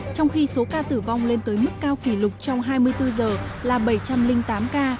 trong khi số ca tử vong lên tới mức cao kỷ lục trong hai mươi bốn giờ là bảy trăm linh tám ca